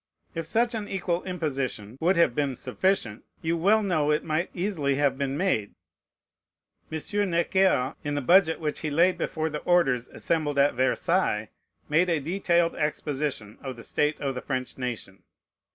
If such an equal imposition would have been sufficient, you well know it might easily have been made. M. Necker, in the budget which he laid before the orders assembled at Versailles, made a detailed exposition of the state of the French nation.